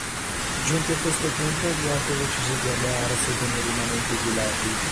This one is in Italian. Giunti a questo punto, Yoko decide di allearsi con i rimanenti piloti.